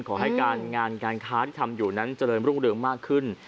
ขอให้งานการค้าที่ทำจริงมากขึ้น